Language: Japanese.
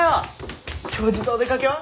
教授とお出かけは？